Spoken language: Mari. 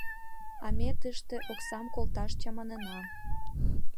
А ме тыште оксам колташ чаманена.